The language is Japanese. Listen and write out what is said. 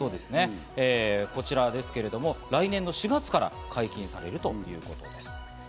こちらですけれども、来年の４月から解禁されるということです。